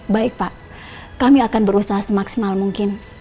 baik pak kami akan berusaha semaksimal mungkin